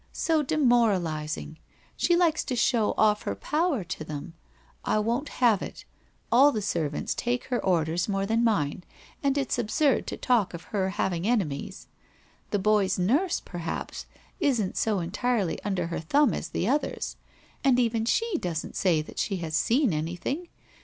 So demoralizing! She likes to show off her power to them. I won't have it. All the servants take her orders more than mine, and it's absurd to talk of her having enemies. The boy's nurse, perhaps, isn't so entirely under her thumb as the others, and even she doesn't say that she has seen anything!